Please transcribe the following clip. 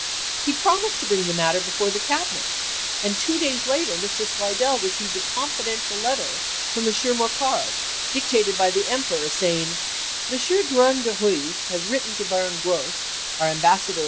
He promised to bring the matter before the Cab inet, and two days later Mr. Slidell received a confidential letter from M. Mocquard, dictated by the Emperor, saying, "M. Drouyn de I'Huys has written to Baron Gros, our ambassador in Lon VoL.